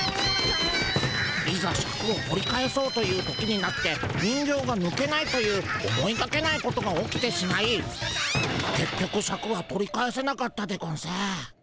いざシャクを取り返そうという時になって人形がぬけないという思いがけないことが起きてしまいけっ局シャクは取り返せなかったでゴンス。